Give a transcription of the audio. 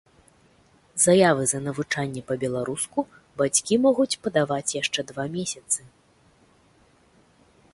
Заявы за навучанне па-беларуску бацькі могуць падаваць яшчэ два месяцы.